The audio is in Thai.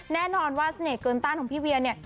แน่นอนว่าเสน่ห์เกินต้านของพี่เวียเนี่ย